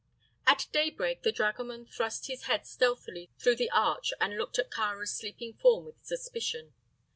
At daybreak the dragoman thrust his head stealthily through the arch and looked at Kāra's sleeping form with suspicion.